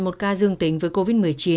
một ca dương tính với covid một mươi chín